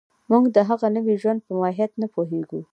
موږ د هغه نوي ژوند په ماهیت نه پوهېږو